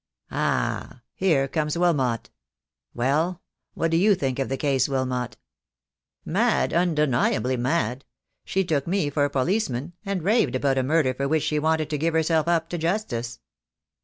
Ah, here comes Wilmot. Well, what do you think of the case, Wilmot?" "Mad, undeniably mad. She took me for a police man, and raved about a murder for which she wanted to give herself up to justice."